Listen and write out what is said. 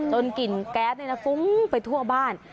จนกลิ่นแก๊สนี่นะฟุ้งไปทั่วบ้าน